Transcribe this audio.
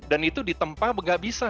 dan itu ditempa nggak bisa